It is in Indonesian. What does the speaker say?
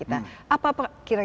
itu apa yang